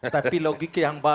tapi logiknya yang bagus